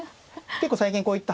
結構最近こういった発想。